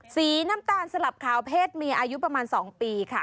สีน้ำตาลสลับขาวเพศเมียอายุประมาณ๒ปีค่ะ